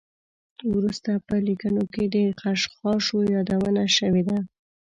وروسته په لیکنو کې د خشخاشو یادونه شوې ده.